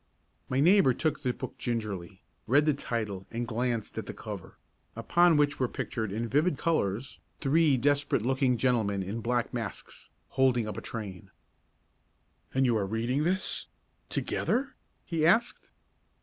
My neighbour took the book gingerly, read the title and glanced at the cover, upon which were pictured in vivid colours three desperate looking gentlemen in black masks, holding up a train. "And you are reading this together?" he asked.